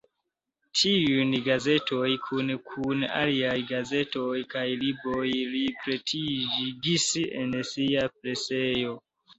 Tiujn gazetojn kune kun aliaj gazetoj kaj libroj li pretigis en sia presejo.